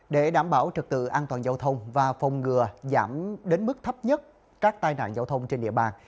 để đảm bảo trật tự an toàn giao thông và phòng ngừa giảm đến mức thấp nhất các tai nạn giao thông trên địa bàn